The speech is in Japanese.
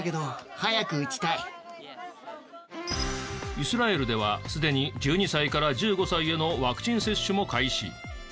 イスラエルではすでに１２歳から１５歳へのワクチン接種も開始。